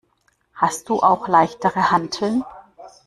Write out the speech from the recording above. Hast du auch leichtere Hanteln?